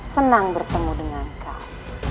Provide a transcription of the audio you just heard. senang bertemu dengan kau